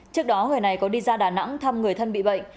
trước đó người này có đi ra đà nẵng thăm người thân bị bệnh